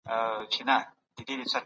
تاسو باید د خپلو دوستانو سره مرسته وکړئ.